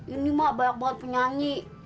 ini mah banyak banget penyanyi